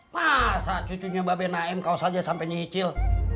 masa cucunya mbak bena m kaos aja sampe nyicil